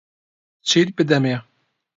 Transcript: چیت بدەمێ؟